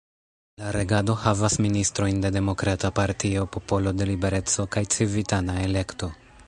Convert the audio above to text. La regado havas ministrojn de Demokrata Partio, Popolo de Libereco kaj Civitana Elekto.